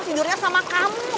tidurnya sama kamu